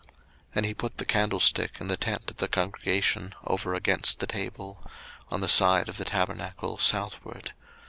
02:040:024 And he put the candlestick in the tent of the congregation, over against the table, on the side of the tabernacle southward.